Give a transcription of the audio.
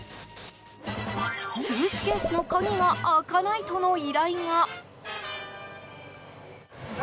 スーツケースの鍵が開かないとの依頼が。